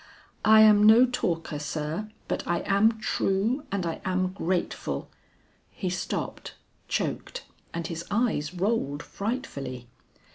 I am no talker, sir, but I am true and I am grateful." He stopped, choked, and his eyes rolled frightfully.